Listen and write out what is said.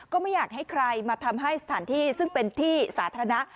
ก็ไม่อยากให้ใครมาทำให้สถานที่ซึ่งเป็นที่สาธารณะ